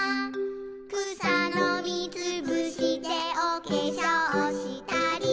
「くさのみつぶしておけしょうしたり」